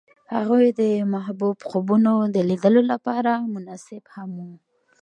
هغوی د محبوب خوبونو د لیدلو لپاره ناست هم وو.